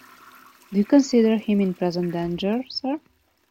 Do you consider him in present danger, sir?